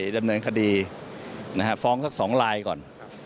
ดำเนินคดีฟ้องสัก๒ลายก่อน